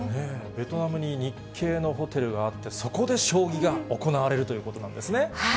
ベトナムに日系のホテルがあって、そこで将棋が行われるということなんですね。